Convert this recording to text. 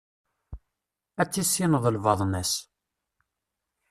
Ad tessineḍ lbaḍna-s.